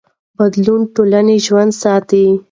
بدلون ټولنې ژوندي ساتي